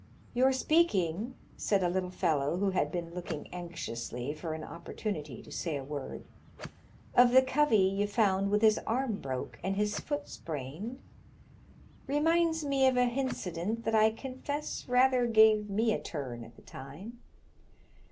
Your speaking," said a little fellow who had been looking anxiously for an opportunity to say a word, " of (he covey ye found with his arm broke and his foot sprained, reminds me of an hincident that I confess rather gave me a turn at the time.